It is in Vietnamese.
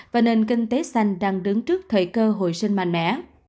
và nền kinh tế xanh đang đứng trước thời cơ hội sinh mạnh mẽ